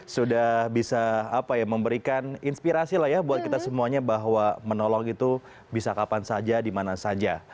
sudah bisa memberikan inspirasi lah ya buat kita semuanya bahwa menolong itu bisa kapan saja dimana saja